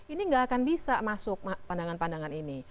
ini nggak akan bisa masuk pandangan pandangan ini